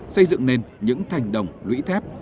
xây dựng nên những thành đồng lũy thép